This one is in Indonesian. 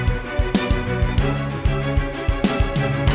molot menu ini ga ada intinya